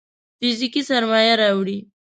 فزيکي سرمايه راوړي.